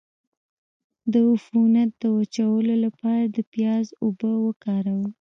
د عفونت د وچولو لپاره د پیاز اوبه وکاروئ